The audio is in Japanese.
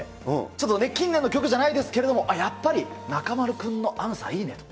ちょっと、近年の曲じゃないですけれども、あ、やっぱり中丸君のＡｎｓｗｅｒ、いいねと。